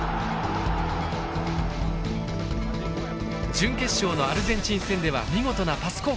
準決勝のアルゼンチン戦では見事なパス交換から。